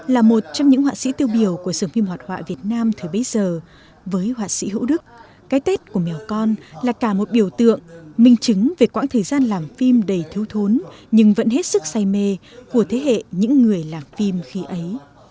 là một trong những họa sĩ tiêu biểu của sưởng phim hoạt họa việt nam thời bấy giờ với họa sĩ hữu đức cái tết của mèo con là cả một biểu tượng minh chứng về quãng thời gian làm phim đầy thiếu thốn nhưng vẫn hết sức say mê của thế hệ những người làm phim khi ấy